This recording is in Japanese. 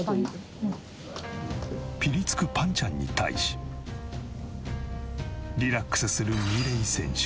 ピリつくぱんちゃんに対しリラックスするＭＩＲＥＹ選手。